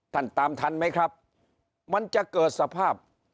ตามทันไหมครับมันจะเกิดสภาพ